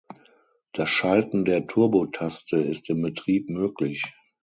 Das Schalten der Turbo-Taste ist im Betrieb möglich.